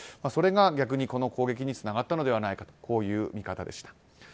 それが逆にこの攻撃につながったのではないかという見方でした。